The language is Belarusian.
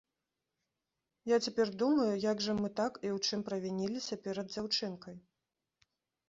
Я цяпер думаю, як жа мы так і ў чым правініліся перад дзяўчынкай?